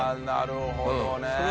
なるほどね。